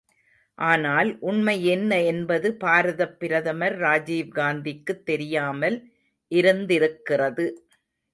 ஆனால் உண்மை என்ன என்பது பாரதப் பிரதமர் ராஜீவ் காந்திக்குத் தெரியாமல் இருந்திருக்கிறது.